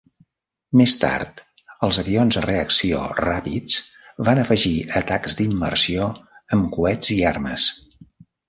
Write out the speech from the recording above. Més tard, els avions a reacció ràpids van afegir atacs d'immersió amb coets i armes.